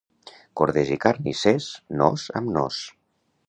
Corders i carnissers, nos amb nos.